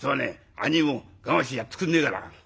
兄いも我慢してやってくんねえかな」。